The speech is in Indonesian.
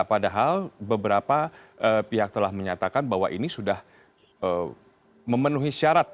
padahal beberapa pihak telah menyatakan bahwa ini sudah memenuhi syarat